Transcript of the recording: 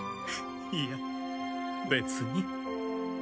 いや別に。